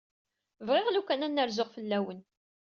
Bɣiɣ lukan ad n-rzuɣ fell-awen.